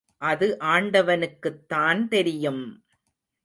அது ஆண்டவனுக்குத்தான் தெரியும்!